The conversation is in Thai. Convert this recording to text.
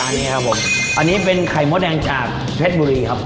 อันนี้ครับผมอันนี้เป็นไข่มดแดงจากเพชรบุรีครับ